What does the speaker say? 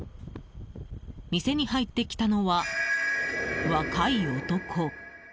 店に入ってきたのは若い男。